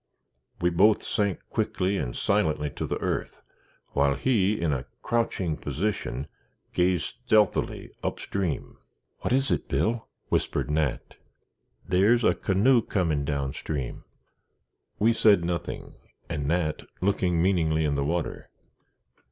We both sank quickly and silently to the earth, while he, in a crouching position, gazed stealthily up stream. "What is it, Bill?" whispered Nat. "There's a canoe comin' down stream!" We said nothing; and Nat looking meaningly in the water.